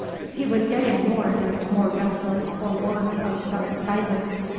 He was getting more and more restless for want of some excitement.